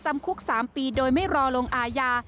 จำคุก๓ปีโดยไม่รอลงอาญา